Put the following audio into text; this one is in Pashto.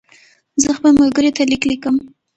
زه خپل ملګري ته لیک لیکم.